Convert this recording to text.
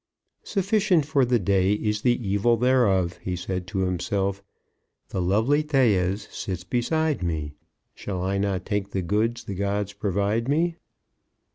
"Sufficient for the day is the evil thereof," he said to himself. "The lovely Thais sits beside me. Shall I not take the goods the gods provide me?"